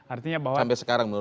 artinya bahwa sampai hari ini